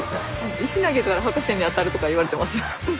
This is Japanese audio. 石投げたら博士に当たるとか言われてますよ。